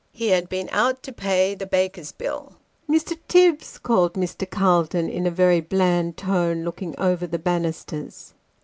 He had been out to pay the baker's bill. " Mr. Tibbs," called Mr. Calton in a very bland tone, looking over 'the banisters.